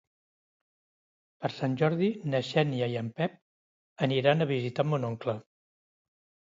Per Sant Jordi na Xènia i en Pep aniran a visitar mon oncle.